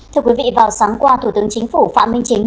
thưa quý vị vào sáng qua thủ tướng chính phủ phạm minh chính